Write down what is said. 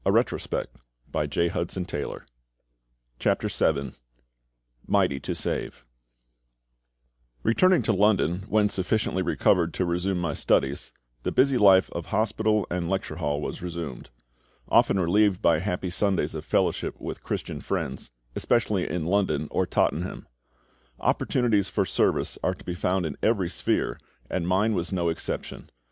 CHAPTER VII MIGHTY TO SAVE RETURNING to London when sufficiently recovered to resume my studies, the busy life of hospital and lecture hall was resumed; often relieved by happy Sundays of fellowship with Christian friends, especially in London or Tottenham. Opportunities for service are to be found in every sphere, and mine was no exception.